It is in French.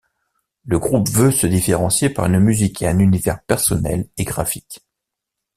Le groupe veut se différencier par une musique et un univers personnel et graphique.